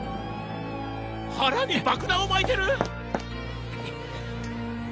腹に爆弾を巻いてる！？